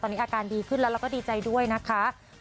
ตอนนี้อาการดีขึ้นแล้วแล้วก็ดีใจด้วยนะคะ